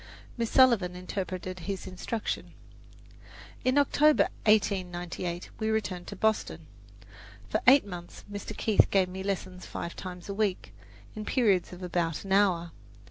Miss Sullivan interpreted his instruction. In October, 1898, we returned to Boston. For eight months Mr. Keith gave me lessons five times a week, in periods of about an hour.